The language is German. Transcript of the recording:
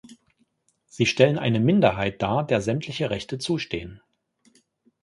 Sie stellen eine Minderheit dar, der sämtliche Rechte zustehen.